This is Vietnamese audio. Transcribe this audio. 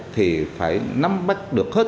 thì phải nắm bắt được hết